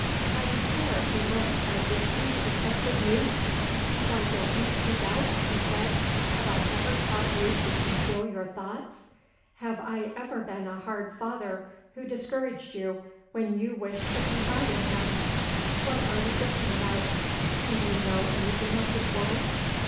I declare he looked as if he suspected me! "Why don't you speak out?" he said. "Have I ever taught you to conceal your thoughts? Have I ever been a hard father, who discouraged you when you wished to confide in him? What are you thinking about? Do you know anything of this woman?"